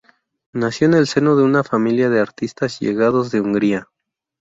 Nació en el seno de una familia de artistas llegados de Hungría.